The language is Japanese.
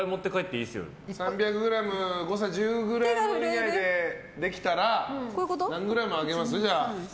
３００ｇ誤差１０ｇ以内でできたら何グラムあげます？